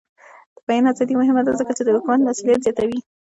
د بیان ازادي مهمه ده ځکه چې د حکومت مسؤلیت زیاتوي.